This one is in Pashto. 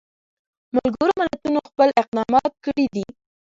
ملګرو ملتونو خپل اقدامات کړي دي.